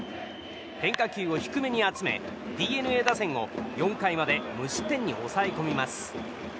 変化球を低めに集めＤｅＮＡ打線を４回まで無失点に抑え込みます。